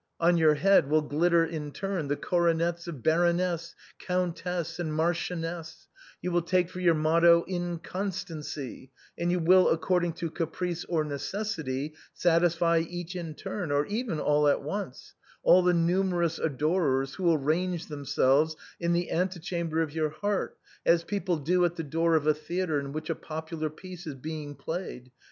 On your head will glitter in turn the coronets of baroness, countess, and marchioness, you will take for your motto, ' Inconstancy,' and you will, according to ca price or necessity, satisfy each in turn, or even all at once, all the numerous adorers who will range themselves in the antechamber of your heart as people do at the door of a theatre at which a popular piece is being played.